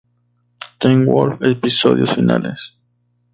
Teen wolf episodios finales